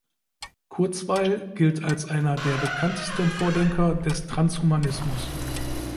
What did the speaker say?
Kurzweil gilt als einer der bekanntesten Vordenker des Transhumanismus.